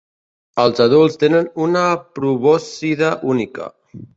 Els adults tenen una probòscide única.